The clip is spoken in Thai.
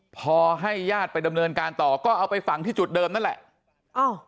พอให้ญาติไปดำเนินการต่อก็เอาไปฝังที่จุดเดิมนั่นแหละ